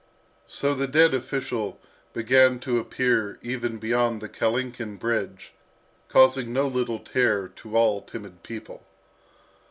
So the dead official began to appear even beyond the Kalinkin Bridge, causing no little terror to all timid people.